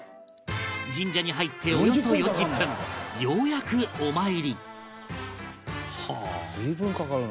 神社に入っておよそ４０分ようやくお参り